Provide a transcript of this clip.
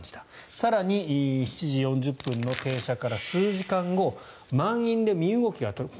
更に７時４０分の停車から数時間後満員で身動きが取れない。